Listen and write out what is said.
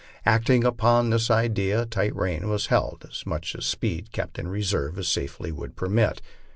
Acting upon this idea, a tight rein was held and as much speed kept in reserve as safety would permit.